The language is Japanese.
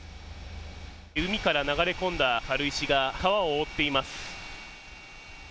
海から流れ込んだ軽石が川を覆っています。